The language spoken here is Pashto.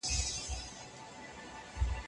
ډیجیټل لوبې د ماشومانو ذهني وړتیاوې لوړوي.